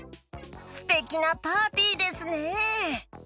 すてきなパーティーですね！